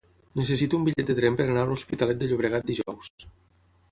Necessito un bitllet de tren per anar a l'Hospitalet de Llobregat dijous.